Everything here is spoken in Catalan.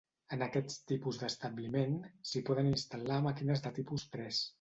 En aquests tipus d'establiment, s'hi poden instal·lar màquines de tipus tres.